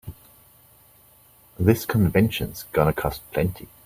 This convention's gonna cost plenty.